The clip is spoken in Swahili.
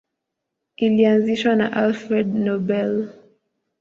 Ilianzishwa na Alfred Nobel.